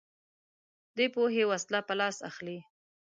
دی پوهې وسله په لاس اخلي